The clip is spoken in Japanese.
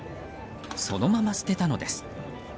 そのまま捨てたのです。